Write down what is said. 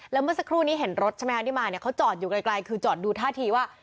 และเมื่อสักครู่นี้เขาเห็นรถจอดอยู่ไกลคือจอดดูท่าทีว่า